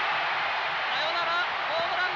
サヨナラホームラン。